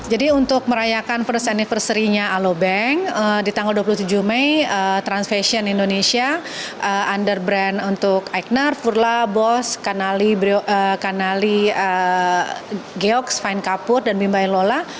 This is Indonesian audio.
jadi untuk merayakan first anniversary nya alobank di tanggal dua puluh tujuh mei trans fashion indonesia under brand untuk enyer furla bose kanali geog finekapur dan bimba ilola